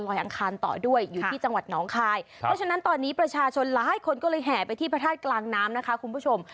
และฉะนั้นตอนนี้ประชาชนหลายคนก็เลยแห่ไปที่ประธาตุกลางน้ำนะคะคุณผู้ชม